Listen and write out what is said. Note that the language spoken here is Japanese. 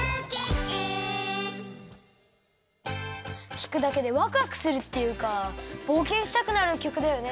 きくだけでわくわくするっていうかぼうけんしたくなるきょくだよね。